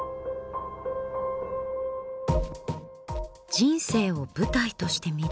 人生を舞台として見る。